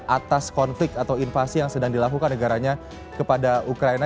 atas konflik atau invasi yang sedang dilakukan negaranya kepada ukraina